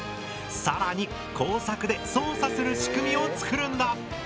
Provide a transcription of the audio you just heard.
更に工作で操作する仕組みを作るんだ。